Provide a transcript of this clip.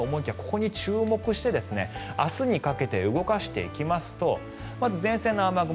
ここに注目して明日にかけて動かしていきますとまず前線の雨雲